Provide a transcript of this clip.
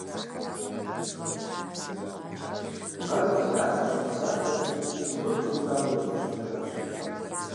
Бгъэр уфарзэщ-уфарзэри, зыгуэрикӀ имылъагъуу ящхьэщыкӀыжащ.